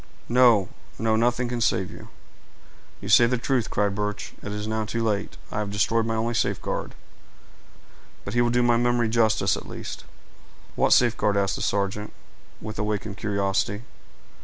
No, no—nothing can save you." "You say the truth," cried Birch. "It is now too late—I have destroyed my only safeguard. But he will do my memory justice at least." "What safeguard?" asked the sergeant, with awakened curiosity.